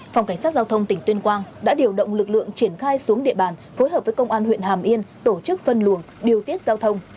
phòng cảnh sát giao thông tỉnh tuyên quang đã điều động lực lượng triển khai xuống địa bàn phối hợp với công an huyện hàm yên tổ chức phân luồng điều tiết giao thông